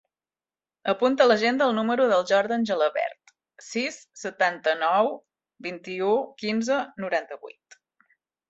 Apunta a l'agenda el número del Jordan Gelabert: sis, setanta-nou, vint-i-u, quinze, noranta-vuit.